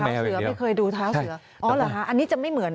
ไม่เคยดูเท้าเสือ